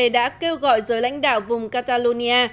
đã kêu gọi giới lãnh đạo vùng catalonia